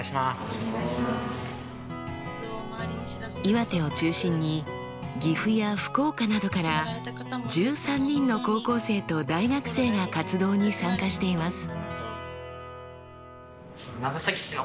岩手を中心に岐阜や福岡などから１３人の高校生と大学生が活動に参加しています。